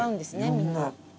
みんな。